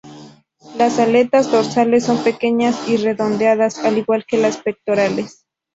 Las aletas dorsales son pequeñas y redondeadas, al igual que las pectorales.